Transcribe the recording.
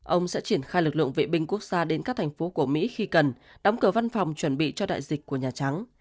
ông sẽ triển khai lực lượng vệ binh quốc gia đến các thành phố của mỹ khi cần đóng cửa văn phòng chuẩn bị cho đại dịch của nhà trắng